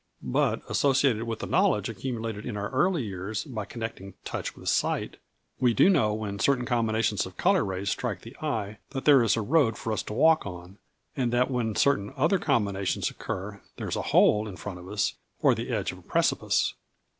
But associated with the knowledge accumulated in our early years, by connecting touch with sight, we do know when certain combinations of colour rays strike the eye that there is a road for us to walk on, and that when certain other combinations occur there is a hole in front of us, or the edge of a precipice.